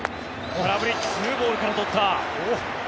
空振り２ボールから取った。